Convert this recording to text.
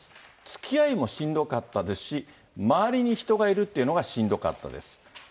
つきあいもしんどかったですし、周りに人がいるっていうのがしんどかったです。